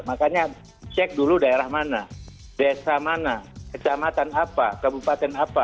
makanya cek dulu daerah mana desa mana kecamatan apa kabupaten apa